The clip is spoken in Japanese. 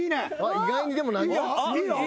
意外にでも凪咲。